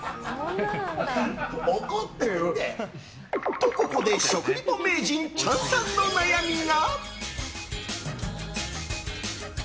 と、ここで食リポ名人チャンさんの悩みが。